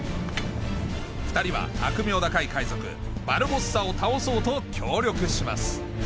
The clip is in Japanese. ２人は悪名高い海賊バルボッサを倒そうと協力します